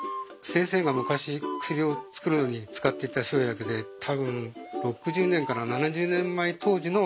先生が昔薬を作るのに使っていた生薬で多分６０年から７０年前当時のものが残ってるんですよ。